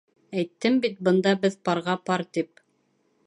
Әйттем бит бында беҙ парға-пар тип.